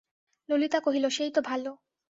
ললিতা কহিল, সেই তো ভালো।